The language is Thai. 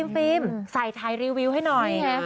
ฟิล์มใส่ไทยรีวิวให้หน่อย